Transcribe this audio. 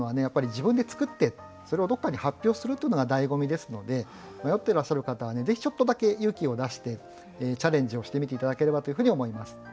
やっぱり自分で作ってそれをどっかに発表するというのがだいご味ですので迷ってらっしゃる方はぜひちょっとだけ勇気を出してチャレンジをしてみて頂ければというふうに思います。